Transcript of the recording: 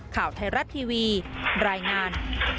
ข่าวไทยรัฐทีวีรายงาน